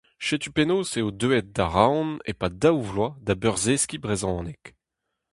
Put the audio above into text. Setu penaos eo deuet da Roazhon e-pad daou vloaz da beurzeskiñ brezhoneg.